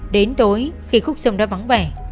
đến tối khi khúc sông đã vắng vẻ